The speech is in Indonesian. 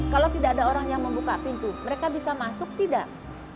kalau tidak ada orang yang membuka pintu mereka bisa masuk tidak